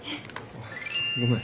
あっごめん。